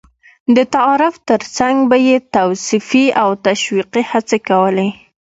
د تعارف تر څنګ به یې توصيفي او تشويقي هڅې کولې.